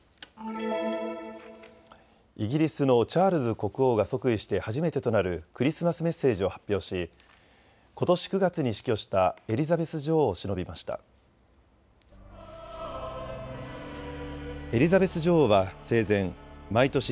イギリスのチャールズ国王が即位して初めてとなるクリスマスメッセージを発表しことし９月に死去したエリザベス女王をしのびました。